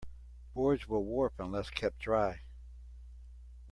Boards will warp unless kept dry.